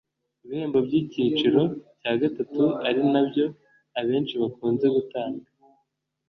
Ku bihembo by’icyiciro cya gatatu ari na byo abenshi bakunze gutanga